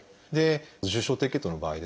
重症低血糖の場合ですね